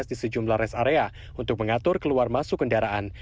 sejumlah rest area untuk mengatur keluar masuk kendaraan